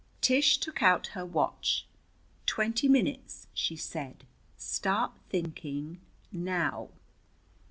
Tish took out her watch. "Twenty minutes," she said. "Start thinking now."